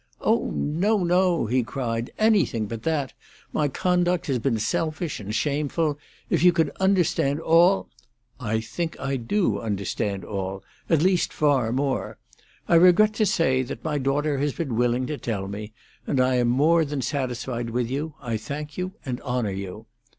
"Oh, no, no," he cried. "Anything but that. My conduct has been selfish and shameful. If you could understand all—" "I think I do understand all—at least far more, I regret to say, than my daughter has been willing to tell me. And I am more than satisfied with you. I thank you and honour you."